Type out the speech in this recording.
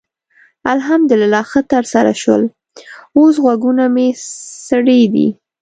الحمدلله ښه ترسره شول؛ اوس غوږونه مې سړې دي.